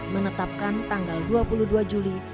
menetapkan tanggal dua puluh dua juli seribu sembilan ratus enam puluh